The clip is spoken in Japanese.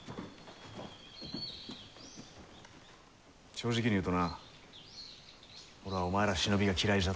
正直に言うとな俺はお前ら忍びが嫌いじゃった。